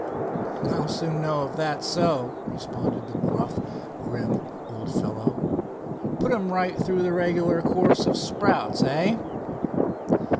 "I'll soon know it, if that's so," responded the gruff, grim old fellow. "Put him right through the regular course of sprouts, eh?"